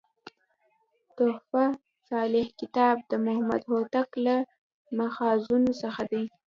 "تحفه صالح کتاب" د محمد هوتک له ماخذونو څخه دﺉ.